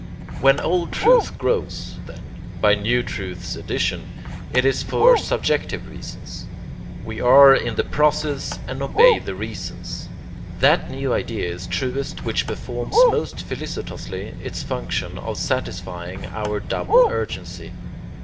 When old truth grows, then, by new truth's addition, it is for subjective reasons. We are in the process and obey the reasons. That new idea is truest which performs most felicitously its function of satisfying our double urgency.